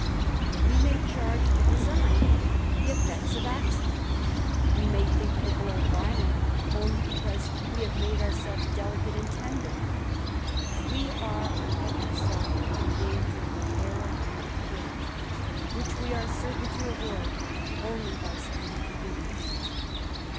We may charge to design tha effects of accident ; we may think the blow violent, ouIe because we have made ourselves delicate and tender; w» are on every side in danger of error and of guilt ; which wa are certain to avoid only by speedy forgiveness.